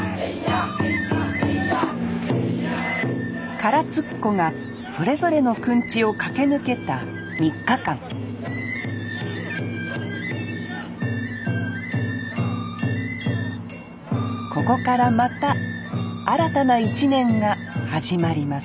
唐津っ子がそれぞれのくんちを駆け抜けた３日間ここからまた新たな１年が始まります